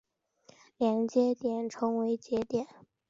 连接点称为节点。